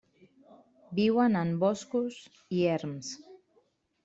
Viuen en boscos i erms.